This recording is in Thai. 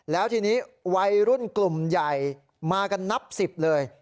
แล้วทีนี้วัยรุ่นกลุ่มใหญ่มากันนับ๑๐เลย